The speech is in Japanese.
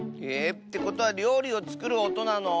ってことはりょうりをつくるおとなの？